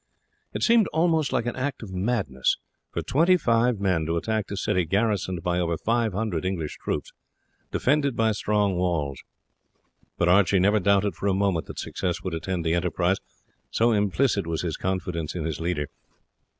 It seemed almost like an act of madness for twenty five men to attack a city garrisoned by over 500 English troops, defended by strong walls; but Archie never doubted for a moment that success would attend the enterprise, so implicit was his confidence in his leader.